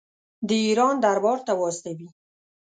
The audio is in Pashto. د ایران دربار ته واستوي.